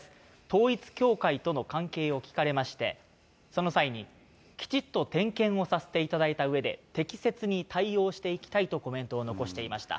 統一教会との関係を聞かれまして、その際に、きちっと点検をさせていただいたうえで、適切に対応していきたいとコメントを残していました。